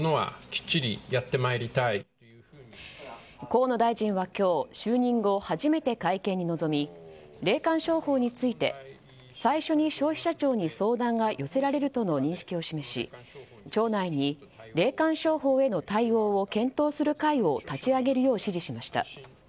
河野大臣は今日就任後初めて会見に臨み霊感商法について最初に消費者庁に相談が寄せられるとの認識を示し庁内に霊感商法への対応を検討する会を立ち上げるよう指示しました。